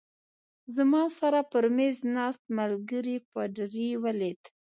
زما سره پر مېز ناست ملګري پادري ولید.